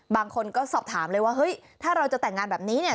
บางคนก็สอบถามเลยว่าเฮ้ยถ้าเราจะแต่งงานแบบนี้เนี่ย